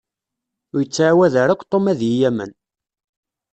Ur ittɛawad ara akk Tom ad yi-yamen.